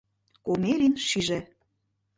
Комелин шиже.